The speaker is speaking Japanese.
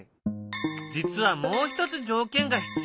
実はもう一つ条件が必要なんだ。